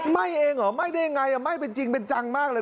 ไม่เองอ๋อไม่ได้ไงอ่ะไม่เป็นจริงเป็นจังมากเลย